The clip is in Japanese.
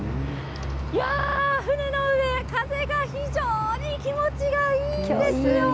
いや船の上、風が非常に気持ちがいいですよ。